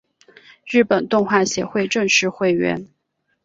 日本动画协会正式会员。